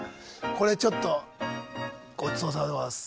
これちょっとごちそうさまでございます。